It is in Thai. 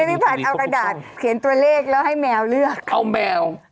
พี่พันธ์เอากระดาษเขียนตัวเลขแล้วให้แมวเลือกเอาแมว